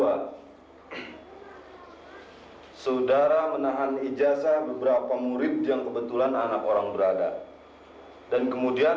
hai saudara menahan ijazah beberapa murid yang kebetulan anak orang berada dan kemudian